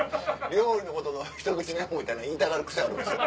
料理のことひと口メモみたいな言いたがる癖あるんですよ。